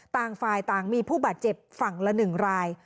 ต่างฝ่ายต่างมีผู้บาดเจ็บฝั่งละ๑ราย